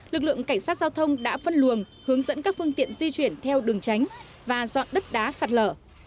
lực lượng cảnh sát giao thông đã phân luồng hướng dẫn các phương tiện di chuyển theo đường tránh và dọn đất đá sạt lở